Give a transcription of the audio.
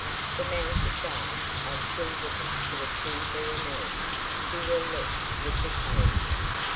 The mounted guards are still looking for the two Viennese who were left with the carriage.